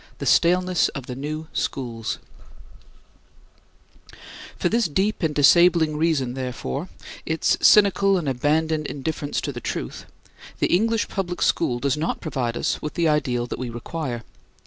THE STALENESS OF THE NEW SCHOOLS For this deep and disabling reason therefore, its cynical and abandoned indifference to the truth, the English public school does not provide us with the ideal that we require.